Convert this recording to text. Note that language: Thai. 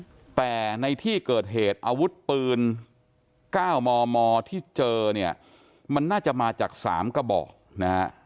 แต่ในที่เกิดเหตุอาวุธปืน๙มมที่เจอเนี่ยมันน่าจะมาจากสามกระบอกนะฮะ